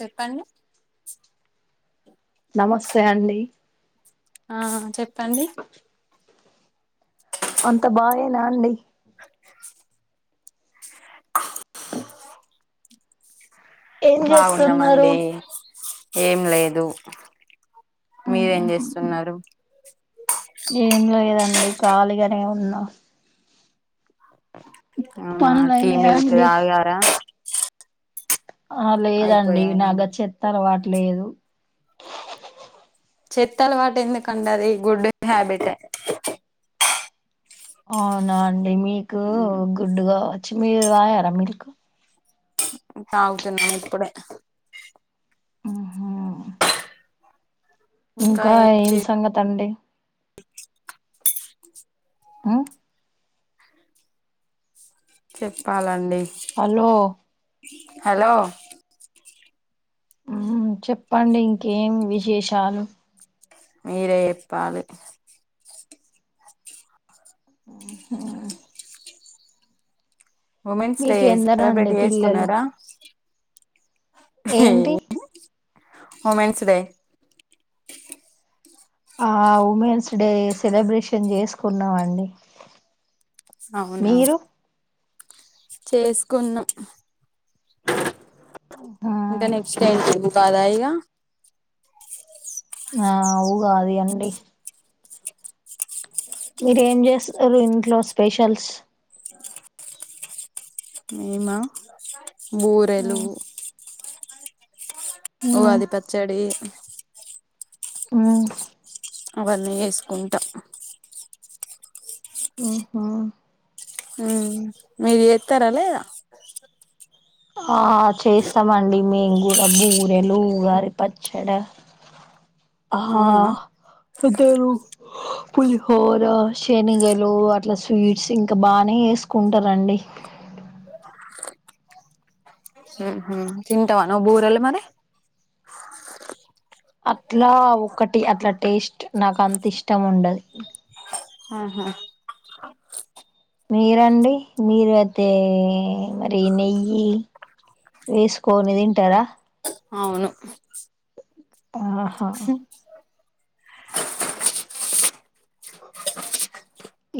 చెప్పండి నమస్తే అండి ఆ చెప్పండి అంత బాగేనా అండి [inaudible] ఏం చేస్తున్నారు బాగున్నామండి ఏం లేదు మీరేం చేస్తున్నారు ఏం లేదు కదండి ఖాళీగానే ఉన్నా అవునా టీ పనులైనయా మిల్క్ అండి తాగార ఆ లేదండి అయిపోయా నాగా చెత్త అలవాటు లేదు చెత్త అలవాటు ఎందుకండి అది గుడ్ హ్యాబిటే అవునా అండి మీకు గుడ్డు కావచ్చు మీరు తాగార మిల్క్ తాగుతున్నాను ఇప్పుడే ఇంకా ఏం సంగతి అండి ఉ చెప్పాలండి హలో హలో ఉమ్ చెప్పండి ఇంకేం విశేషాలు మీరే చెప్పాలి ఉహ్ ఉమెన్స్ డే మీకు సెలబ్రేట్ ఎందరండి పిల్లలు చేసుకున్నారా ఏంటి ఉమెన్స్ డే ఆ ఉమెన్స్ డే సెలబ్రేషన్ చేసుకున్నామండి అవునా మీరు చేసుకున్నా ఆ ఇంక నెక్స్ట్ ఏంటి ఉగాది ఆ ఇగ ఆ ఉగాది అండి మీరు ఏం చేస్తున్నరు ఇంట్లో స్పెషల్స్ మెమ బురెలు మ్మ్ మ్మ్ ఉగాది పచ్చడి ఉమ్ అవన్నీ చేసుకుంటా ఉ హ ఉమ్ మీరు చేత్తరా లేదా ఆ చేస్తామండి మేము గు బూరెలు ఉగాది పచ్చడ ఆహ అవునా పెద్దరు పులిహోర శనగలు అట్లా స్వీట్స్ ఇంకా బానే వేసుకుంటారండి [inaudible] హ తింటావా నువ్యు బూరలు మరి అట్లా ఒకటి అట్లా టేస్ట్ నాకు అంత ఇష్టం ఉండదు ఆహా మీరండి మీరు అయితే మరి నెయ్యి వేసుకోని తింటారా అవును ఆహా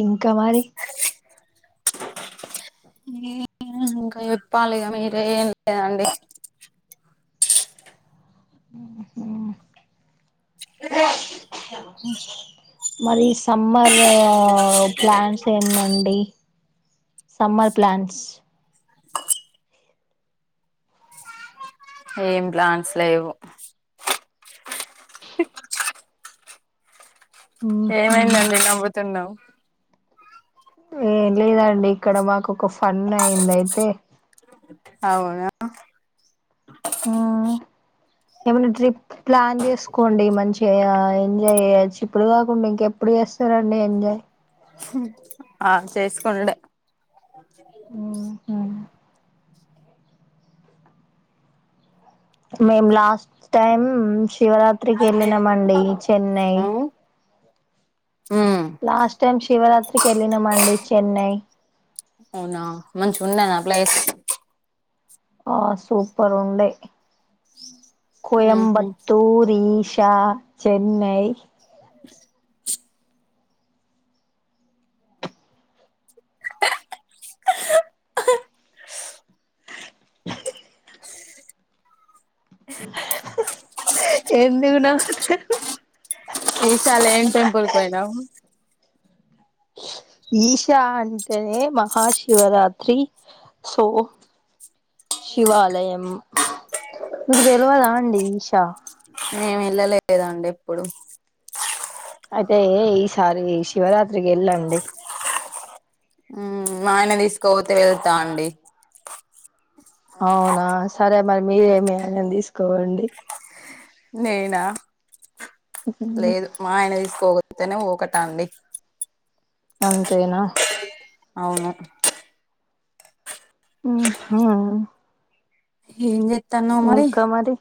ఇంకా మరి చెప్పాలిగా మీర ఏం లేదండి [inaudible] ఆ మరి సమ్మర్ ప్లాంస్ ఏంటండి సమ్మర్ ప్లాంట్స్ ఏం ప్లాంస్ లేవు ఊహూ ఏమైందండి నవ్వుతున్నావు ఏం లేదండి ఇక్కడ మాకు ఒక ఫన్ అయింది అయితే అవునా ఆ ఏమైనా ట్రిప్ ప్లాన్ చేసుకోండి మంచిగా ఎంజాయ్ చేయ్యొచ్చు ఇప్పుడు కాకుండా ఇంకెప్పుడు చేస్తారు ండి ఎంజా్ ఆ చేసుకోనుడే మేం లాస్ట్ టైం శివరాత్రికి వెళ్ళినామ అండి చెన్నై ఆ లాస్ట్ టైం శివరాత్రికి వెళ్ళినామ అండి చెన్నై అవునా మంచిగా ఉన్నదా ప్లేస్ ఆ సూపర్ ఉండే ఉహు కోయబత్తూర్ ఈ చెన్నై ఎందు విన్నా ఈసారి ఎం టెంపుల్ కుయినా ఈశా అంటనే మహాశివరాత్రి సో శివాలయం మీకు తెలివదా అండి ఈషా మేము వెళ్ళలేదండి ఎప్పుడు అయితే ఈసారి శివరాత్రికి వెళ్ళండి మ్మ్ మా ఆయన తీసుకోపోతే వెళ్తా అండి అవునా సరే మరి మీరే మీ ఆయనని తీసుకోవండి నేయినా లేదు మా ఆయన తీసుకోక అంతనే ఊకటా అండి అంతేనా అవును హా ఏం చేత్తన్నావ్ ఇంకా మరి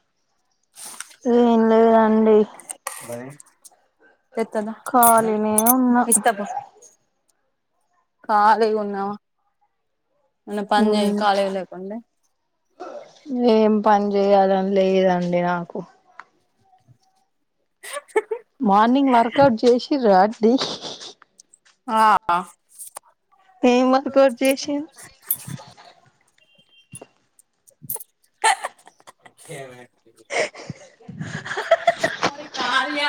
ఏం లేదండి తెత్తద ఖాళీనే ఉన్నా ఇస్తస్తాబ ఖాళీగా ఉన్న మన్న పని చే కాలేగా లేకుండా ఏం పని చేయాలని లేదండి నాకు మార్నింగ్ వర్కౌట్ జేసి రా అండి ఆ ఏం వర్కౌట్ చేసిర్రు [inaudible] కాల్యా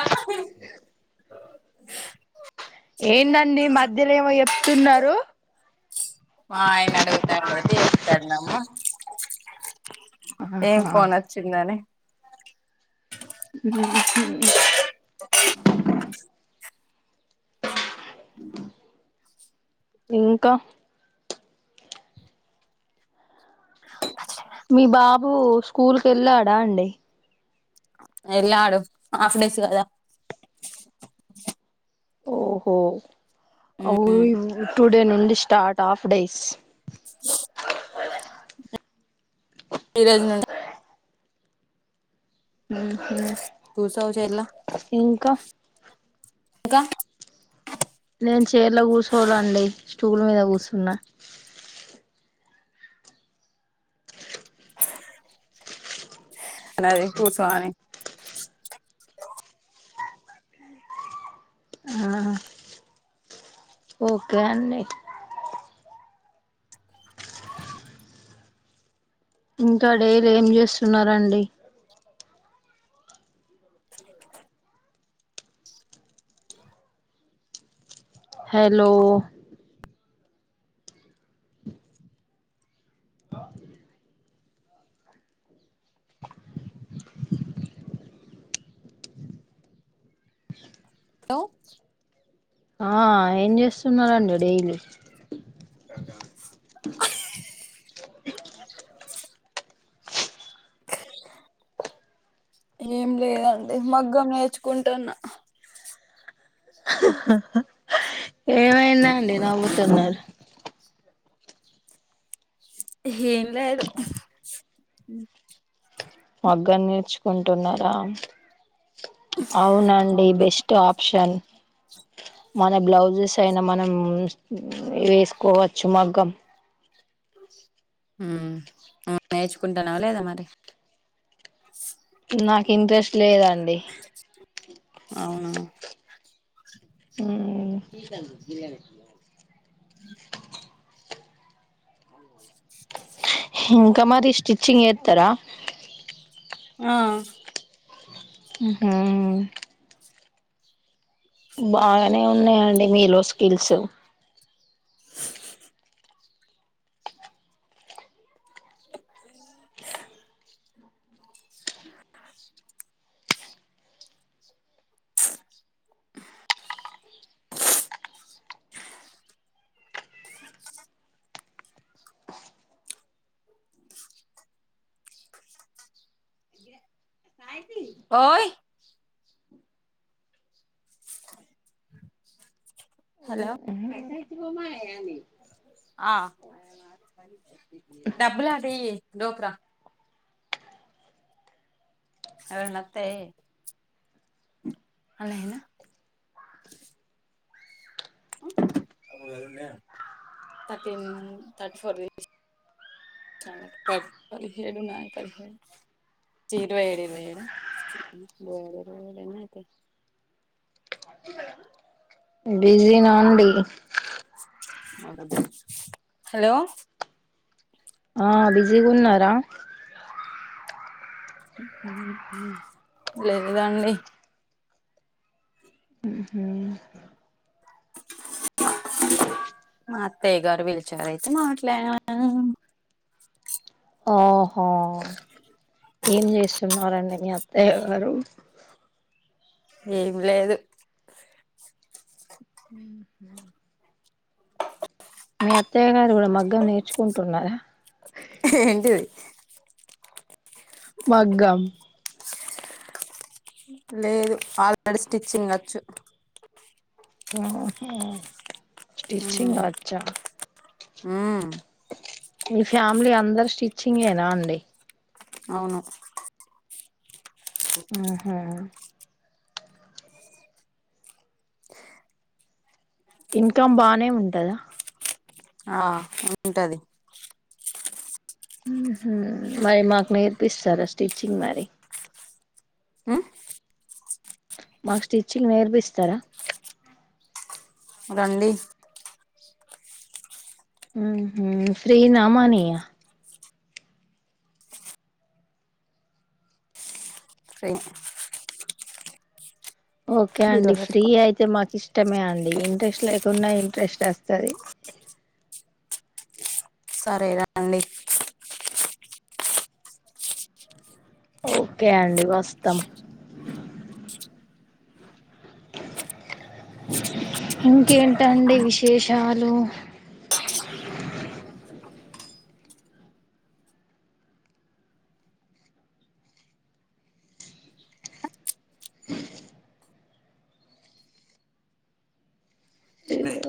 ఏందండి మధ్యలో ఏమో జెప్తున్నరు ఆ ఆయన అడుగుతాండు అయితే చెప్తునమ్మ ఏం ఆహా ఫోన్ వచ్చిందని ఉమ్ హు [inaudible] ఉమ్ ఇంకా మీ బాబు స్కూల్ కెళ్ళాడా అండి ఎల్లాడు హాఫ్ డేస్ గదా ఓహో మ్మ్ అ టూ డే నుండి స్టార్ట్ హాఫ్ డేస్ ఈ రోజు నుండి ఉమ్ హు కూసో చేర్ల ఇంకా ఇంకా నేను చేర్ల కూసోనండి స్టూల్ మీద కూసున్నా అది కూసో అని ఓకే అండి ఇంకా డైలీ ఏం జేస్తున్నారండి హలో హలో [inaudible] [unintelligible] హలో ఆ ఏం జేస్తున్నారండి డైలీ [unintelligible] [unintelligible] ఏం లేదండి మగ్గం నేర్చుకుంటున్నా ఏమైందండి నవ్వుతున్నరు ఏం లేదు మగ్గం నేర్చుకుంటున్నారా అవునండి బెస్ట్ ఆప్షన్ స [inaudible] మన బ్లౌజెస్ అయినా మనం వేసుకోవచ్చు మగ్గం ఉమ్ నువ్వు నేర్చుకుంటున్నావా లేదా మరి నాకు ఇంట్రెస్ట్ లేదండి అవునా ఉమ్ ఇంకా మరి స్టిచ్చింగ్ ఏత్తర ఆ హుహూ బాగనే ఉన్నాయండి మీలో స్కిల్స్ [unintelligible] [unintelligible] [unintelligible] ఓయ్ హలో ఆ [unintelligible] డబ్బులు ఆట ఇయ్యి లోక్ రా ఎవరన్నా వత్తే అలాగేనా ఉమ్ థర్టీన్ థర్టీ ఫోర్ తీపి చాలా పాట్ పదిహేడున్నాయి పదిహే ఇరవై ఏడు అయినాయి ఈడ ఇరవై ఏడు ఇరవై ఏడు ఎన్నయితాయి [unintelligible] బిజీనా అండి హలో ఆ బిజీగా ఉన్నారా ఉహూ లేదుదాండి ఉహుం [unintelligible] మా అత్తయ్య గారు పిలిచారు అయితే మాట్లాడాం ఓహో ఏం చేస్తున్నారు అండి మీ అత్తయ్య గారు ఏం లేదు ఉహూ మీ అత్తయ్య గారు కూడా మగ్గం నేర్చుకుంటున్నారా ఏంటిది మగ్గం లేదు ఆల్రెడి స్టిచ్చింగ్ వచ్చు ఉహూ స్టిచింగ్ ఉమ్ వచ్చా ఉమ్ మీ ఫ్యామిలీ అందరు స్టిచ్చింగేనా అండి అవును ఉహూ హే ఇన్కమ్ బానే ఉంటదా ఆ ఉంటది ఉహూ మరి మాకు నేర్పిస్తారా స్టిచ్చింగ్ మరి ఉమ్ మాకు స్టిచ్చింగ్ నేర్పిస్తారా రండి ఉహూ ఫ్రీ నా మనీ యా ఫ్రీ ఓకే అండి బీరువా ఫ్రీ పెట్టుకో అయితే మాకు ఇష్టమే అండి ఇంట్రెస్ట్ లేకున్నా ఇంట్రెస్ట్ వస్తది సరే రండి ఓకే అండి వస్తాం ఇంకేంటండి విశేషాలు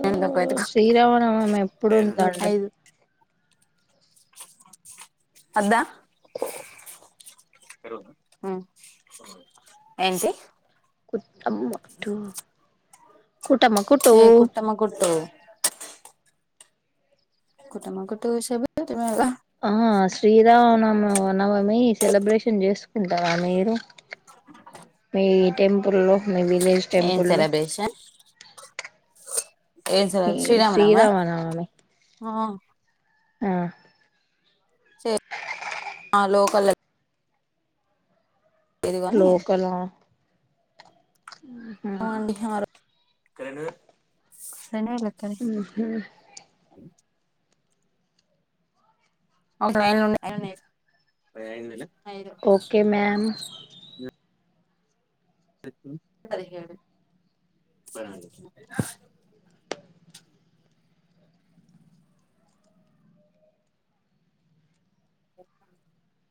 ఎండ్లోకి పెట్టుకో శ్రీరామనవమి ఎప్పుడుందండి ఐదు వద్దా ఉమ్ ఏంటి కుట్టమ్మ టు కుట్టమ్మ కుటు ఏ కుట్టమ్మ కుట్టు కుట్టమ్మ కుట్టు సబ్ ఆ శ్రీరామ్ మ నవమి సెలబ్రేషన్ చేసుకుంటారా మీరు మీ టెంపుల్లో మీ విలేజ్ ఏం టెంపుల్లో సెలబ్రేషన్ ఏం సార్ ఈ శ్రీరామనమా ఉమ్ ఉమ్ సే ఆ లోకల్ గాని లోకల హా అండి హా రా శాండి వల్ల అక్క నీ ఒకసారి ఆయన ఉండే ఆయననే ఐదు ఓకే మ్యామ్ పది హెడు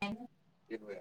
ఐదు